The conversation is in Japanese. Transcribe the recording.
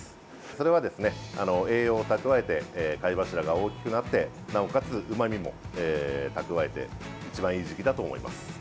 それはですね、栄養を蓄えて貝柱が大きくなってなおかつ、うまみも蓄えて一番いい時期だと思います。